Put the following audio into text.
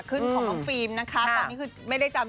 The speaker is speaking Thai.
ตอนนี้เป็นช่วงขาขึ้นของต้องฟิล์มนะคะ